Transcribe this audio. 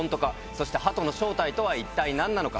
そして鳩の正体とは一体何なのか。